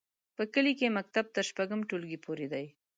په کلي کې مکتب تر شپږم ټولګي پورې دی.